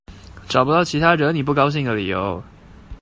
找不到其他惹你不高興的理由